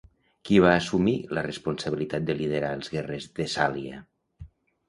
Qui va assumir la responsabilitat de liderar els guerrers de Tessàlia?